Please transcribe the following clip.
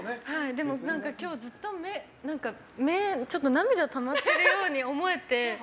でも、今日はずっと涙がたまっているように思えて。